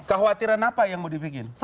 kekhawatiran apa yang mau dibikin